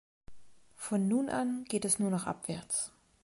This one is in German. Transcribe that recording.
Von nun an geht es nur noch abwärts.